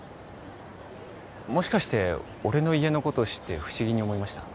もしかして俺の家のことを知って不思議に思いました？